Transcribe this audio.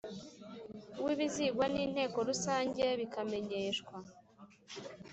w ibizigwa n inteko rusange bikamenyeshwa